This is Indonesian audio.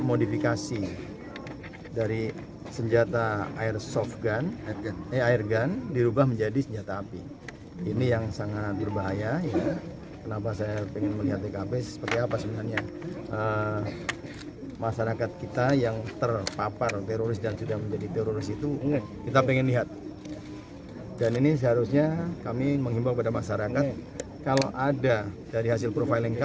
orang ini tertutup